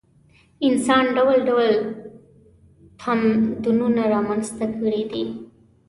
انسان ډول ډول تمدنونه رامنځته کړي دي.